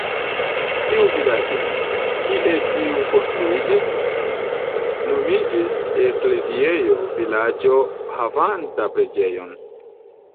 Tiu vilaĝo, kie tiu konstruiĝis, nomiĝis "ekleziejo" vilaĝo havanta preĝejon.